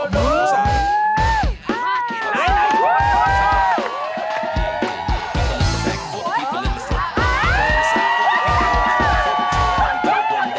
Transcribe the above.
น้ำ